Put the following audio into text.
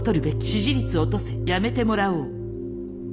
「支持率落とせやめてもらおう」